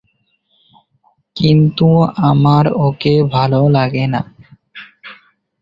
কিন্তু আমার ওকে ভালো লাগেনা।